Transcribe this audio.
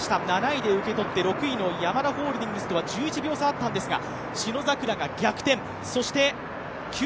７位で受け取って６位のヤマダホールディングスとは１１秒差あったんですが、信櫻が逆転九